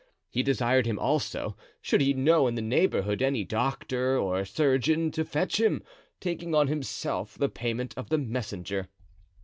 He desired him also, should he know in the neighborhood any doctor or chirurgeon, to fetch him, taking on himself the payment of the messenger.